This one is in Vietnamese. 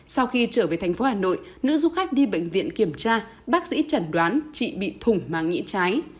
sau khi trở về thành phố hà nội nữ du khách đi bệnh viện kiểm tra bác sĩ chẩn đoán chị bị thủng màng nhĩ trái